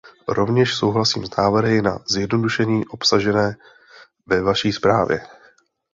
Rovněž souhlasím s návrhy na zjednodušení obsažené ve vaší zprávě.